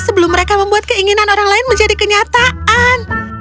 sebelum mereka membuat keinginan orang lain menjadi kenyataan